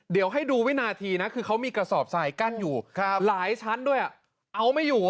เดี๋ยวให้ดูวินาทีนะคือเขามีกระสอบทรายกั้นอยู่หลายชั้นด้วยเอาไม่อยู่